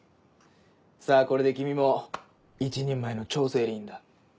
さぁこれで君も一人前の徴税吏員だ。